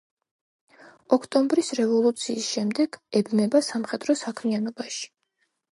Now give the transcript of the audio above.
ოქტომბრის რევოლუციის შემდეგ ებმება სამხედრო საქმიანობაში.